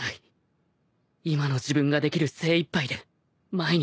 今の自分ができる精いっぱいで前に進む。